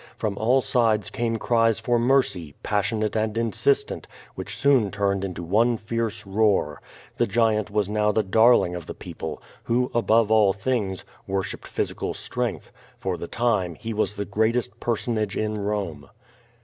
From all sides came cries for mercy, passionate and insistent, which soon turned into one fierce roar. The giant was now the darling of the people, who, above all things, worshipped physi cal strength; for the time he was the greatest personage in Borne.